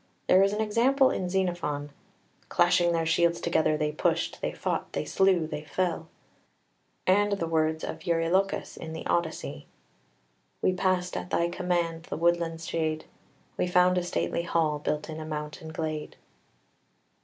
There is an example in Xenophon: "Clashing their shields together they pushed, they fought, they slew, they fell." And the words of Eurylochus in the Odyssey "We passed at thy command the woodland's shade; We found a stately hall built in a mountain glade."